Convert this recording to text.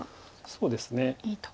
そうですね。